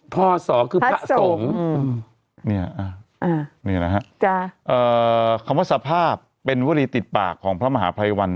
พศคือพระสงฆ์นี่นะฮะคำว่าสภาพเป็นวรีติดปากของพระมหาภัยวัน